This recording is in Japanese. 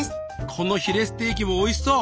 このヒレステーキもおいしそう。